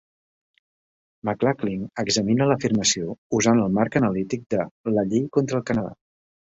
McLachlin examina l'afirmació usant el marc analític de "La llei contra el Canadà".